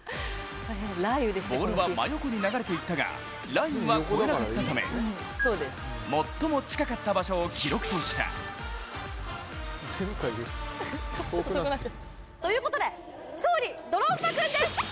ボールは真横に流れていったがラインは越えなかったため最も近かった場所を記録とした。ということで、勝利、ドロンパ君です！